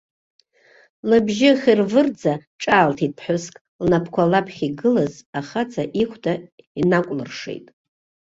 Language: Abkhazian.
Лыбжьы хьырвырӡа ҿаалҭит ԥҳәыск, лнапқәа лаԥхьа игылаз ахаҵа ихәда инакәлыршеит.